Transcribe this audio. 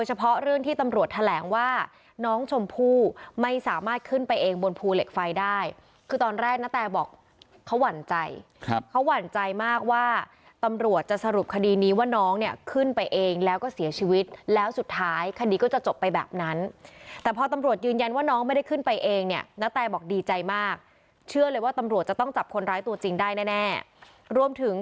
เฉพาะเรื่องที่ตำรวจแถลงว่าน้องชมพู่ไม่สามารถขึ้นไปเองบนภูเหล็กไฟได้คือตอนแรกณแตบอกเขาหวั่นใจครับเขาหวั่นใจมากว่าตำรวจจะสรุปคดีนี้ว่าน้องเนี่ยขึ้นไปเองแล้วก็เสียชีวิตแล้วสุดท้ายคดีก็จะจบไปแบบนั้นแต่พอตำรวจยืนยันว่าน้องไม่ได้ขึ้นไปเองเนี่ยณแตบอกดีใจมากเชื่อเลยว่าตำรวจจะต้องจับคนร้ายตัวจริงได้แน่รวมถึง